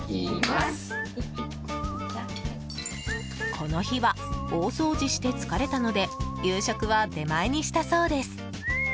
この日は大掃除して疲れたので夕食は出前にしたそうです。